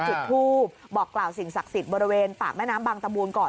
จุดทูปบอกกล่าวสิ่งศักดิ์สิทธิ์บริเวณปากแม่น้ำบางตะบูนก่อน